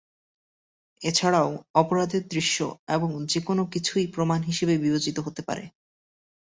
এছাড়াও, অপরাধের দৃশ্য এবং যে কোনও কিছুই প্রমাণ হিসাবে বিবেচিত হতে পারে।